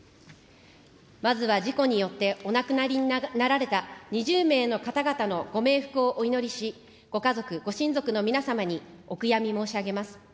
まずは事故によってお亡くなりになられた２０名の方々のご冥福をお祈りし、ご家族、ご親族の皆様にお悔やみ申し上げます。